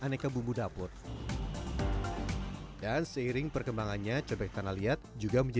namun warga mengambil tanah secukupnya